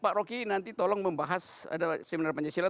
pak rocky nanti tolong membahas seminar pancasila